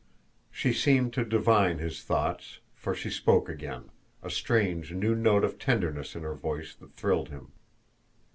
She seemed to divine his thoughts, for she spoke again, a strange new note of tenderness in her voice that thrilled him.